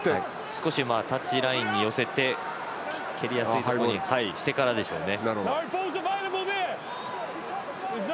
少しタッチラインに寄せて蹴りやすいところにしてからでしょうね。